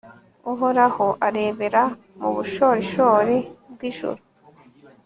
uhoraho arebera mu bushorishori bw'ijuru